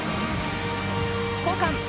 交換。